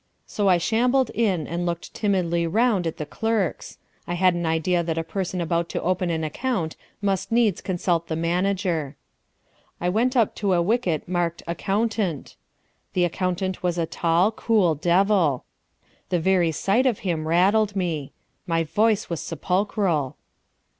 So I shambled in and looked timidly round at the clerks. I had an idea that a person about to open an account must needs consult the manager. I went up to a wicket marked "Accountant." The accountant was a tall, cool devil. The very sight of him rattled me. My voice was sepulchral.